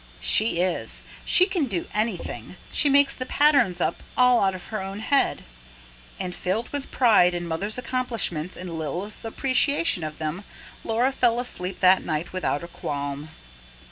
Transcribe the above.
"She is; she can do anything. She makes the patterns up all out of her own head. " And filled with pride in Mother's accomplishments and Lilith's appreciation of them, Laura fell asleep that night without a qualm.